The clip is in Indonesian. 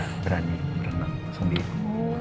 berani berenang sendiri